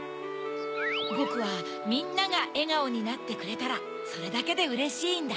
ボクはみんながえがおになってくれたらそれだけでうれしいんだ。